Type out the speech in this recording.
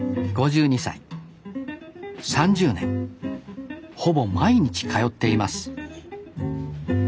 ３０年ほぼ毎日通っています